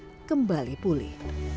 mangku negara kembali pulih